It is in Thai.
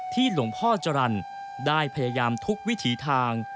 หลวงพ่อจรรย์ได้พยายามทุกวิถีทาง